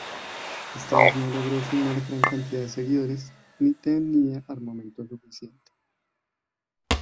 Esta vez no logró sumar gran cantidad de seguidores, ni tenía armamento suficiente.